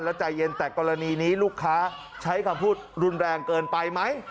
แล้วใจเย็นแต่กรณีนี้ลูกค้าใช้คำพูดรุนแรงเกินไปไหม